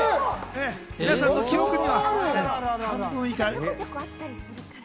皆さんの記憶には半分以下。